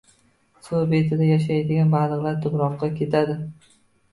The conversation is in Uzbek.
Suv betida yashaydigan baliqlar tubroqqa ketadi.